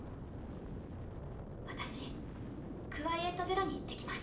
・私クワイエット・ゼロに行ってきます。